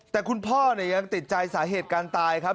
แต่คุณพ่อยังติดใจสาเหตุการตายครับ